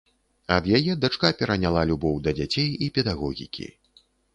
Ад яе дачка пераняла любоў да дзяцей і педагогікі.